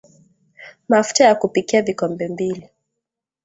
Mafuta ya kupikia vikombe mbili